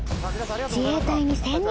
自衛隊に潜入。